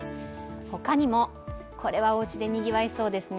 他にも、これはおうちでにぎわいそうですね。